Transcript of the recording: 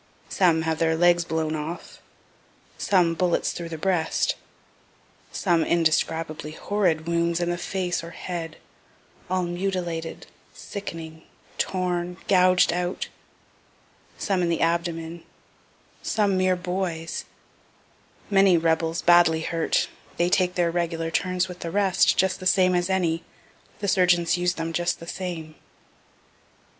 Some have their legs blown off some bullets through the breast some indescribably horrid wounds in the face or head, all mutilated, sickening, torn, gouged out some in the abdomen some mere boys many rebels, badly hurt they take their regular turns with the rest, just the same as any the surgeons use them just the same.